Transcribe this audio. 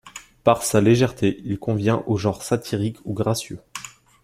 Par sa légèreté, il convient au genre satirique ou gracieux.